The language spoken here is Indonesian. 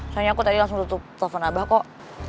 soalnya aku tadi langsung nutup telepon abah kok